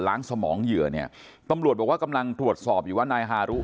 สมองเหยื่อเนี่ยตำรวจบอกว่ากำลังตรวจสอบอยู่ว่านายฮารุ